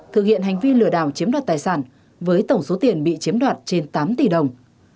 thực hiện hành vi lừa đảo chiếm đoạt tài sản với tổng số tiền bị chiếm đoạt trên tám tỷ đồng